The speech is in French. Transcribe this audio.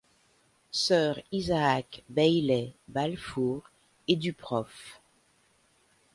Sir Isaac Bayley Balfour et du prof.